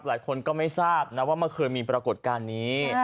หลายคนก็ไม่ทราบนะว่าเมื่อคืนมีปรากฏการณ์นี้